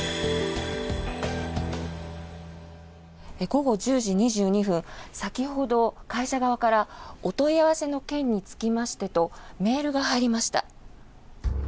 午後１０時２２分先ほど、会社側からお問い合わせの件につきましてとメールが入りました。